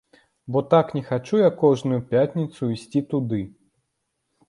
Бо так не хачу я кожную пятніцу ісці туды.